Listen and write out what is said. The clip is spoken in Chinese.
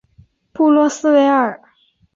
布洛斯维尔。